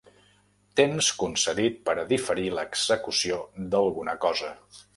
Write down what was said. Temps concedit per a diferir l'execució d'alguna cosa.